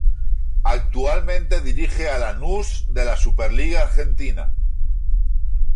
Actualmente dirige a Lanús de la Superliga Argentina.